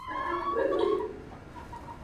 katika jina la Ant Bullet ni siafu wakali